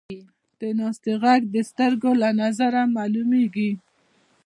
د ناستې ږغ د سترګو له نظره معلومېږي.